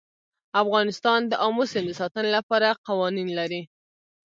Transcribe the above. افغانستان د آمو سیند د ساتنې لپاره قوانین لري.